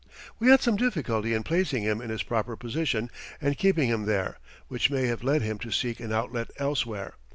We had some difficulty in placing him in his proper position and keeping him there, which may have led him to seek an outlet elsewhere.